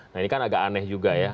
nah ini kan agak aneh juga ya